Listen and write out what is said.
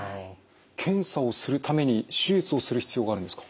検査をするために手術をする必要があるんですか？